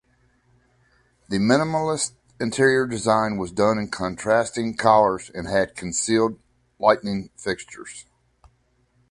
The minimalist interior design was done in contrasting colors and had concealed lightning fixtures.